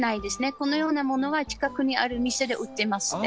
このようなものは近くにある店で売ってますね。